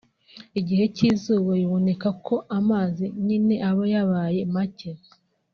Igihe cy’izuba biboneka ko amazi nyine aba yabaye make